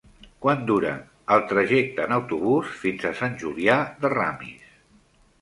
Quant dura el trajecte en autobús fins a Sant Julià de Ramis?